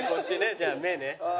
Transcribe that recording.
じゃあ「め」ね。